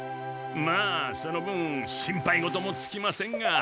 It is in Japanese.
まあその分心配事もつきませんが。